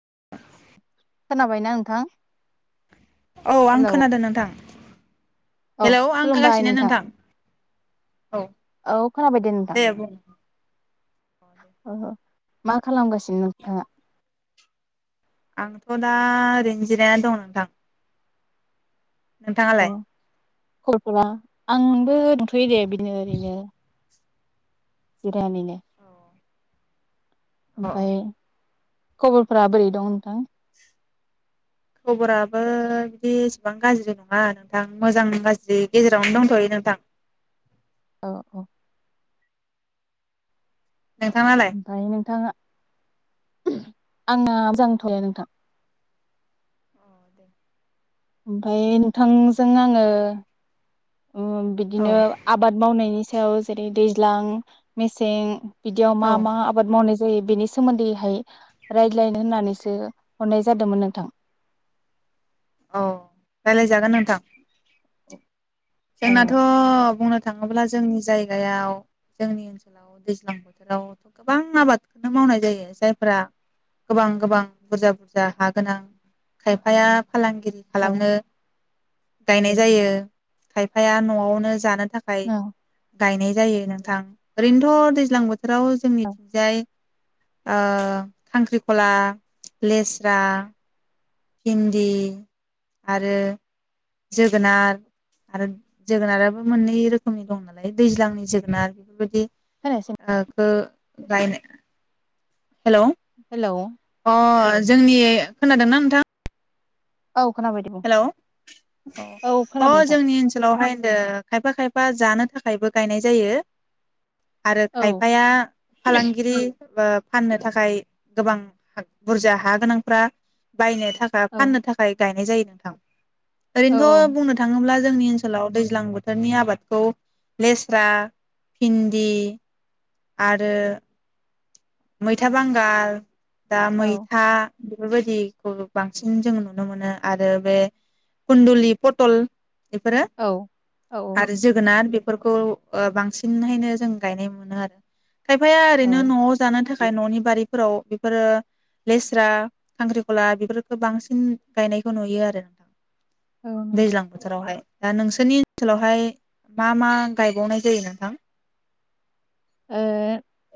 [inaudible] खोनाबायना नोंथां? औ आं हेलौ खोनादों नोंथां औ हेलौ आं खुलुमबाय खागासिनो नोंथां औ औ खोनाबाय दे नोंथां। ओ मा खालामगासिनो नोंथाङा? आंथ' दा ओरैनो जिराना दं नोंथां। नोंथाङालाय? खबरफोरा आंबो दंथयो दे बिनो ओरैनो अ [unintelligible] अ ओमफाय खबरफोरा बोरै दं नोंथां? खबराबो बिदि एसेबां गाज्रि नङा नोंथां मोजां गाज्रि गेजेरावनो दंथयो नोंथां। औ औ नोंथाङालाय ओमफाय नोंथाङा आंना जांथयो नोंथां ओमफाय नोंथांजों आङो उम औ बिदिनो आबाद मावनायनि सायाव जेरै दैज्लां मेसें बिदियाव मा औ मा आबाद मावनाय जा जायो बेनि सोमोन्दैहाय रायज्लायनो होननानैसो हरनाय जादोंमोन नोंथां। औ रायलायजागोन नोंथां। [inaudible] औ जोंनाथ' बुंनो थाङोब्ला जोंनि जायगायाव जोंनि ओनसोलाव दैज्लां बोथोरावथ' गोबां आबादखौनो मावनाय जायो जायफोरा गोबां गोबां बुरजा बुरजा हा गोनां खायफाया फालांगिरि औ खालामनो गायनाय जायो खायफाया नआवनो जानो थाखाय औ गायनाय जायो नोंथां ओरैनोथ' दैज्लां बोथ थोराव जोंनिथिंजाय ओ खांख्रिखला, लेस्रा भिन्दि आरो जोगोनार आरो जोगोनाराबो मोननै रोखोमनि दं नालाय दैज्लांनि जोगोनार बेफोरबायदि खोनायासै ओ खो गायनो हेल' हेल' अ जोंनि खोनादोंना नोंथां? औ खोनाबाय दे बुं हेल' अ औ अ खोनाबाय नोंथां जोंनि ओनसोलावहाय ओ खायफा खायफा जानो थाखायबो गायनाय जायो। आरो औ खायफाया फालांगिरि ओ फाननो थाखाय गोबां बुरजा हा गोनांफोरा बायनो थाखाय औ फाननो थाखाय गाय नाय जायो। नोंथां। औ ओरैनोथ' बुंनो थाङोब्ला जोंनि ओनसोलाव दैज्लां बोथोरनि आबादखौ लेस्रा भिन्दि आरो मैथा बांगाल दा औ मैथा बेफोरबायदिखौ बांसिन जोंङो नुनो मोनो आरो बे कुन्दुलि पटल बेफोरो औ आरो जोगोनार बे फोरखौ ओ बांसिनहायनो जों गायनाय मोनो आरो। खायफाया ओरैनो औ न'आव नो थाखाय न'नि बारिफोराव बेफोरो लेस्रा खांख्रिख'ला बेफोरखौ बांसिन गायनायखौ नुयो आरो नोंथां। औ नंगौ दैज्लां बोथोरावहाय। दा नोंसोरनि ओनसोलावहाय मा मा गायबावनाय जायो नोंथां? ओ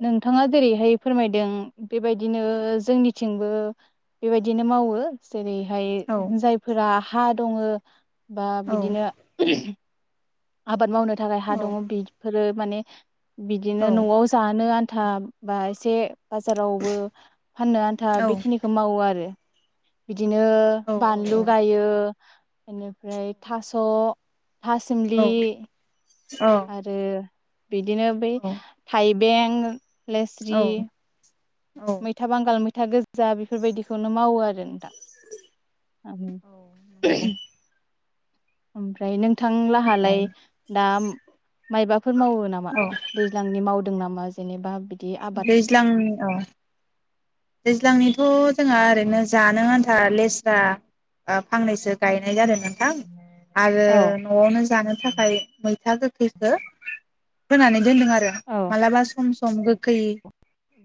नोंथाङा जेरैहाय फोरमायदों बेबायदिनो जोंनिथिंबो बेबायदिनो मावो। जेरैहाय औ जायफोरा हा दङो बा औ बिदिनो आबाद मावनो थाखाय हा औ दङ बिदिफोरो माने बिदिनो औ न'आव जानो आन थाब बा एसे बाजारावबो फाननो आन्था औ बेखिनिखौ मावो आरो। बिदिनो औ बानलु गायो। एनिफ्राय थास' थास दि औ औ आरो बिदिनो बै थाइ बें लेस्रि औ औ मैथा बांगाल मैथा गोदजा बेफोरबायदिखौनो मावो आरो नोंथां। [unintelligible] ओमफ्राय नों औ थांलाहालाय दा मायबाफोर मावो नामा औ दैज्लांनि मावदों नामा? जेनेबा बि दैज्लांनि औ दैज्लांनिथ' जोंहा ओरैनो जानो आन्था लेस्रा ओ फांनैसो गायनाय जादों नों थां आरो औ नआवनो जानो थाखाय मै था गोखैखो फोनानै दोनदों आरो औ मालाबा सम सम सम गोखै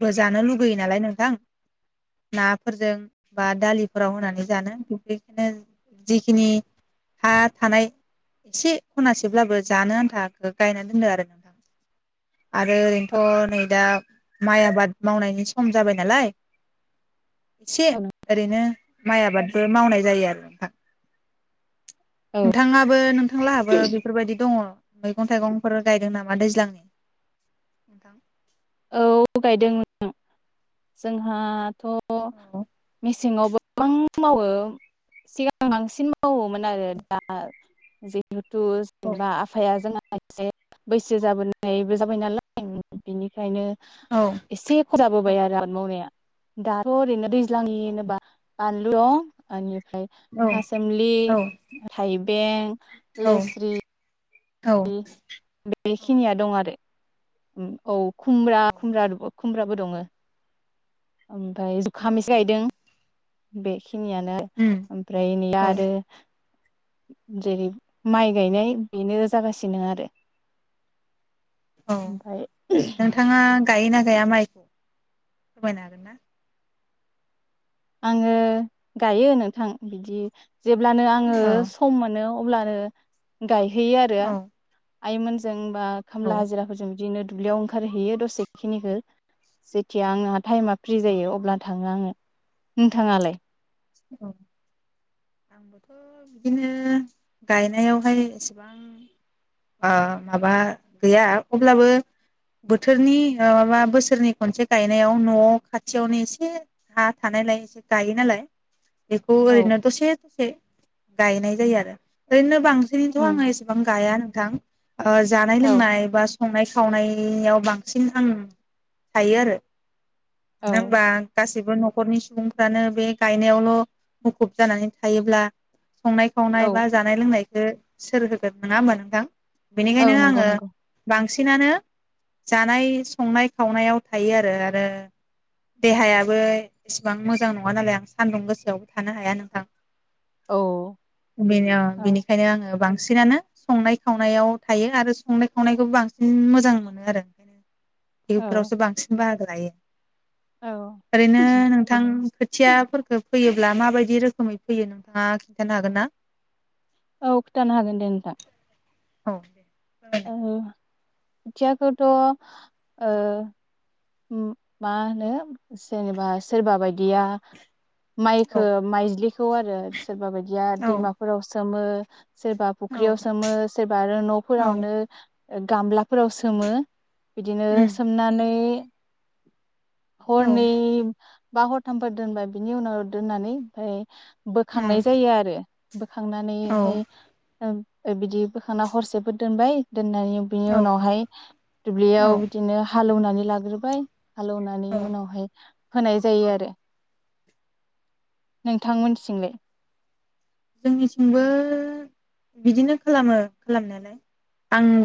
बो जानो लुगैयो नालाय नोंथां। नाफोरजों बा दालिफोराव होनानै जानो बेखायनो जिखिनि हा थानाय से खनासेब्लाबो जानो आन्था गायना दोनो आरो आरो ओरैनोथ नै दा माइ आबाद मावनायनि सम जाबाय नालाय। से औ ओरैनो माइ आबादबो मावनाय जायो आरो नोंथां औ नोंथाङाबो नोंथांलाहाबो बेफोरबायदि दङ? मैगं थाइगंफोर गायदों नामा दैज्लांनि? औ गायदों [inaudible] जोंहाथ। थ' औ मिसिङाव गोबां मावो सिगां बांसिन मावोमोन आरो दा जि लुथुस औ ओमबा आफाया जोंना [unintelligible] बैसो जाबोनायबो जाबाय नालाय बिनि खायनो औ एसे [unintelligible] आरो औ आबाद मावनाया। दाथ' ओरैनो दैज ज्लांनि होनोबा बानलुआव बानलु हायो औ थासोमलि थाइबें लेस्रि औ [inaudible] बेखिनिया दं आरो। उम औ खुमरा खुमरा रु खुमब्राबो दङो ओमफाय जुखाम इसे गायदों औ बे। खिनियानो उम ओमफ्राय नैया औ आरो- जे- माइ गायनाय बेनो जागासिनो आरो औ ओमफाय नोंथाङा गायोना गाया माइखौ फोरमायनो हागोन ना? आङो गायो नोंथां बिदि जेब्लानो आङो औ सम मोनो अब्लानो- गायहैयो आरो औ आइमोनजों- बा औ खामला हाजिराफोरजोंं दिनो दुब्लियाव ओंखारहैयो दसेखिनिखो जेथिया आंहा टाइमा - फ्रि जायो अब्ला थाङो आङो। नोंथाङालाय? औ आंबोथ बिदिनो गायनायावहाय एसेबां ओ माबा गैया अब्लाबो बोथोरनि ओ मा बोसोरनि खनसे गायनायाव नआव खाथियावनो एसे हा थानायलाय एसे गायो नालाय- बेखौ औ ओरैनो दसे दसे - गायनाय जायो आरो ओरैनो बां सिनैथ उम आं एसेबां गाया नो। [unintelligible] ओ जानाय औ लोंनाय बा स संनाय खावनाय आव बांसिन आं थायो आरो। मानो औ ओमबा गास गासिबो नखरनि सुबुंफ्रानो बे - गायनायावल मुखुब जानानै थायोब्ला - संनाय खावनाय औ बा जानाय लोंनाय खो सोर होगोन नोङा ओमबा नोंथां? बेनिखायनो औ नंगौ आङो नंगौ बां सिनानो जानाय संनाय खावनायाव थायो आरो आरो देहायाबो एसेबां मोजां नङा नालाय आं सान्दुं गोसायावबो थानो हाया नोंथां। औ बेनो अ औ बेनिखायनो आङो बां थिगानो संनाय खावनायाव थायो आरो संनाय खावनायखौ बांसिन मोजां मोनो आरो औ बेफोरावसो बांसिन बाहागो लायो। औ ओरैनो नोंथां खोथियाफोर फोयोब्ला माबायदि रोखोमै फैयो नोंथाङा खिथानो हागोन ना? औ, खोथानो हागोन दे नोंथां। औ औ खोथियाखोथ ओ उम मा होनो जेनेबा सोरबा बादिया औ माइखो माइज्लिखौ आरो सोरबा बायदिया औ दैमाफोराव सो सोमो। सोरबा औ फुख्रियाव सोमो सोरबा आरो औ नफोरावनो गामलाफोराव सोमो। बिदिनो उम सोमनानै औ हरनै बा हरथामफोर दोनबाय बिनि उनाव दोननानै ओमफाय औ बोखांनाय जायो आरो बोखांनानैहाय बिदि बोखांना हरसेफोर दोनबाय दोननानै बिनि औ उनावहाय दुब्लियाव बिदिनो हालौनानै। लाग्रोबा ओमफ्राय। हालौनानै औ उनावहाय। होनाय जायो आरो। नोंथां मोनथिंलाय। जोंनिथिंबो बिदिनो खालामो खालामनायालाय।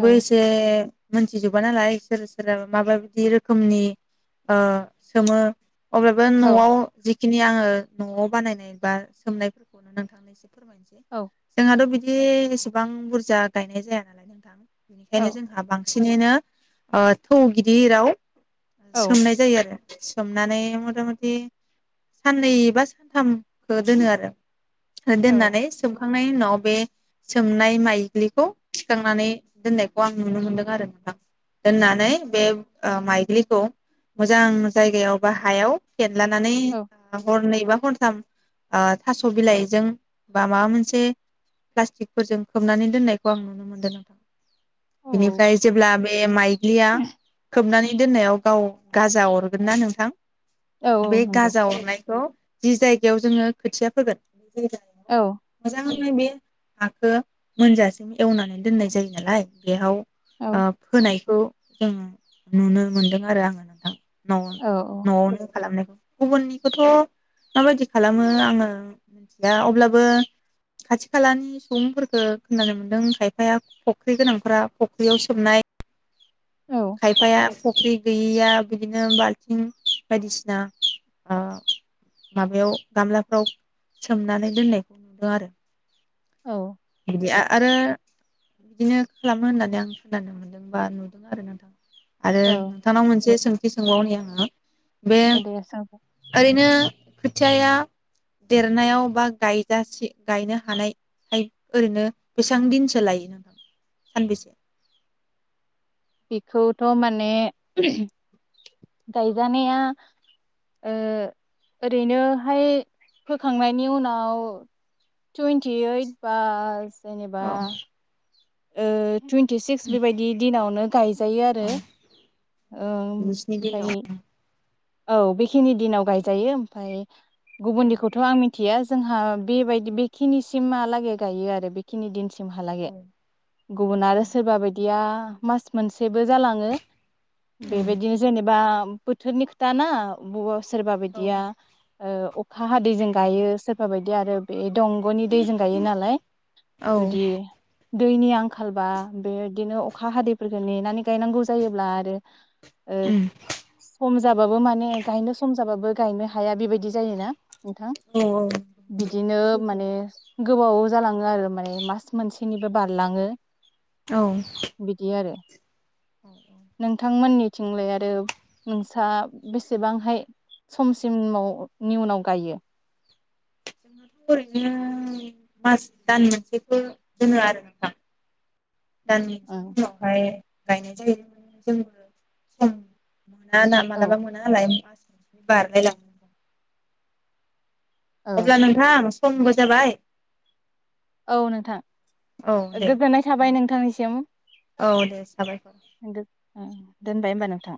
औ एसे। मोनथिजोबा नालाय सोर सोरहा माबाबायदि रोखोमनि ओ सोमो। अब्लाबो औ नआ बेखिनि आङो नआव बानायनाय बा सोमनायफोरखौनो नोंथांनो। फोरमायनोसै औ जोंहाथ बि। बि एसेबां बुरजा गायनाय जाया नालाय नोंथां। औ बेनिखायनो जोंहा बां बांसिनैनो थौ गिदिराव। औ सोमनाय जायो आरो। सोमनानै मथा मथि साननै बा सानथामखौ दोनो आरो। औ दोननानै सोम खांनायनि उनाव बे सोमनाय माइग्लिखौ थिखांनानै दोननायखौ आं नुनो मोनदों आरो नोंथां दोननानै बे माइग्लिखौ मोजां जायगायाव बा हायाव। फेनलानानै औ हरनै। बा हरथाम थास बिलाइजों। बा माबा मोनसे प्लास्टिकफोरजों खोबनानै दोननायखौ आं नुनो मोनदों नोंथां औ बिनिफ्राय जेब्ला बे माइज्लिया खोबनानै दोननायाव गाव गाजा अरगोनना नोंथां। औ औ बे नंगौ गाजा अरनायखौ। जि जायगायाव जोङो खोथिया फोगोन। औ मोजां। बे हाखौ मोनजासिम एवनानै दोननाय जायो नालाय बेयाव। औ आ फोनाय। बे खौ जोङो नुनो मोनदों आरो आङो नोंथां। न' औ न'आवनो खालामनायखौ। गुबुननिखौथ माबायदि खालामो आङो मिथिया अब्लाबो। बो खाथि खालानि सुबुंफोरफोरखौ खोनानो मोनदों खायफाया फुख्रि गोनांफोरा फख्रियाव सोमनाय। औ खायफाया फख्रि गैयैया बिदिनो बाल्थिं बायदिसिना ओ माबायाव गामलाफ्राव सोमनानै दोननायखौ नुदों आरो। औ। आरो बिदिनो खालामो होननानै आं खोनानो मोनदोंबा नु। आरो नोंथां। आरो औ नोंथांनाव मोनसे सों बि सोंबावनो आङो। बे औ दे सों ओरैनो। खोथियाया देरनायाव बा गायजासे गायनो हानायखाय ओरैनो बेसेबां दिनसो लायो नोंथां सानबेसे बेखौथ माने। गायजानाया ओ ओरैनोहाय फोखांनायनि उनाव टुइन्टि ओइट बास जेनेबा औ ओ। टुइन्टि सिक्स बेबायदि दिनावनो गायजायो औ आरो नोंसिनि ओमफाय दिनाव औ बेखिनि दिनाव गायजायो ओमफाय गुबुननिखौथ आं मिथि खथिया जोंहा बेबायदि बेखिनिसिमहालागै गायो आरो बेखिनि दिनसिम। औ थमहालागै गुबुन आरो सोरबा बायदिया। मास मोनसेबो जालाङो। बेबायदिनो जेनेबा। बोथोरनि। दाना। सोरबा बिायदिया ओ अखा हादैजों गायो सोरबा बायदि आरो बे दंगनि दैजों गायो नालाय औ जुदि दैनि आंखालबा बेदिनो अखा हादैफोरखौ नेनानै गायनांगौ जायोब्ला आरो ओ सम माने गायनो सम जाबाबो गायनो हाया बेबायदि जायोना नोंथां औ बिदिनो सैथो माने गोबाव जालाङो आरो माने मास मोनसेनिबो बारलाङो औ औ [inaudible] नोंथांमोननि थिंलाय आरो नों फसा बेसेबांहाय समसिमावनि उनाव गायो जोंनाथ ओरैनो मास दान मोनसेखौ दोनो आरो नोंथां दा [unintelligible] ओं उनावहाय [unintelligible] मोना ना औ मालाबा मोना नालाय बारलाय लाङो औ अब्ला नोंथां खमबो जाबाय औ नोंथां औ दे गोजोननाय थाबाय नोंथांनिसिम औ दे साबाय [unintelligible] दोनबाय होमबा नोंथां